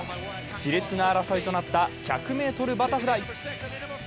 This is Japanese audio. しれつな争いとなった１００ｍバタフライ。